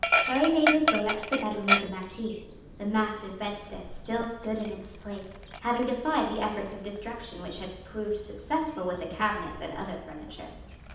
Harry made his way up to the bedroom of the marquis. The massive bedstead still stood in its place, having defied the efforts of destruction which had proved successful with the cabinets and other furniture.